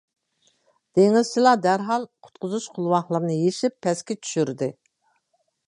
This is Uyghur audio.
دېڭىزچىلار دەرھال قۇتقۇزۇش قولۋاقلىرىنى يېشىپ پەسكە چۈشۈردى،